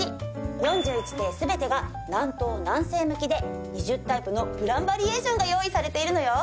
４１邸全てが南東南西向きで２０タイプのプランバリエーションが用意されているのよ！